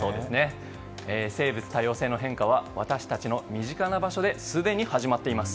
生物多様性の変化は私たちの身近な場所ですでに始まっています。